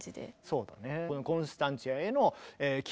そうだね。